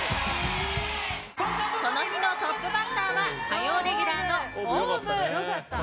この日のトップバッターは火曜レギュラーのＯＷＶ！